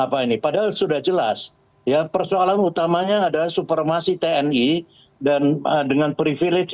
apa ini padahal sudah jelas ya persoalan utamanya adalah supermasi tni dan dengan privilege